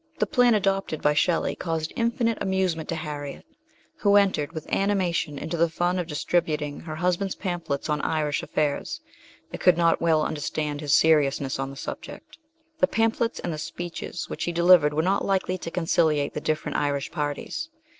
The plan adopted by Shelley caused infinite amuse ment to Harriet, who entered with animation into the fun of distributing her husband's pamphlets on Irish affairs, and could not well understand his serious ness on the subject. The pamphlets and the speeches which he delivered were not likely to conciliate the different Irish parties.